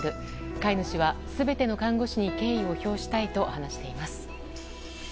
飼い主は全ての看護師に敬意を表したいと話しています。